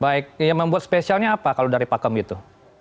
baik yang membuat spesialnya apa kalau dari pakem itu